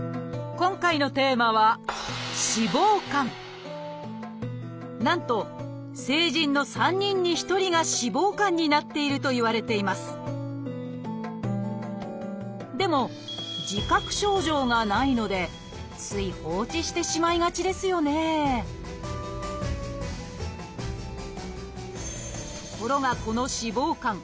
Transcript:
今回のテーマはなんと成人の３人に１人が「脂肪肝」になっているといわれていますでも自覚症状がないのでつい放置してしまいがちですよねところがこの「脂肪肝」